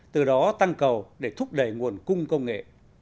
từ đó tăng cầu để thúc đẩy nguồn cung công nghệ